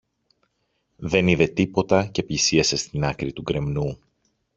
δεν είδε τίποτα και πλησίασε στην άκρη του γκρεμνού.